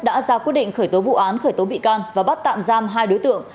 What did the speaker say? đã ra quyết định khởi tố vụ án khởi tố bị can và bắt tạm giam hai đối tượng